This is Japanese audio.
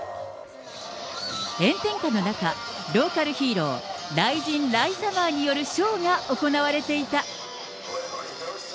炎天下の中、ローカルヒーロー、雷神ライサマーによるショーが行われていた。